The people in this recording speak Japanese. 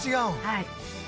はい。